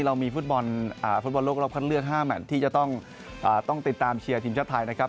เรามีฟุตบอลฟุตบอลโลกรอบคัดเลือก๕แมทที่จะต้องติดตามเชียร์ทีมชาติไทยนะครับ